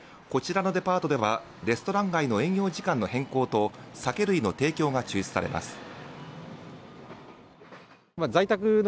こちらのデパートではレストラン街の営業時間の変更と酒類の提供が中止されます。